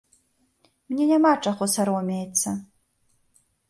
Мне няма чаго саромеецца.